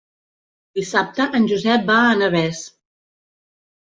Dissabte en Josep va a Navès.